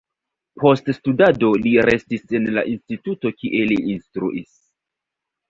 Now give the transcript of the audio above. Post studado li restis en la instituto, kie li instruis.